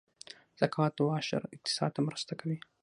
زکات او عشر اقتصاد ته مرسته کوي